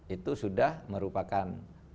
itu sudah merupakan